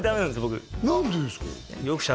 僕何でですか？